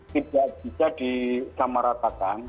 tidak bisa disamaratakan